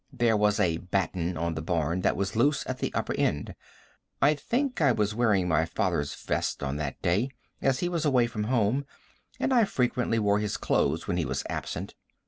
There was a "batten" on the barn that was loose at the upper end. I think I was wearing my father's vest on that day, as he was away from home, and I frequently wore his clothes when he was absent.